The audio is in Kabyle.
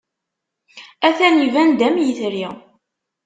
Atan iban-d am yetri.